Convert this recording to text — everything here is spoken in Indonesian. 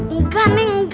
enggak nih enggak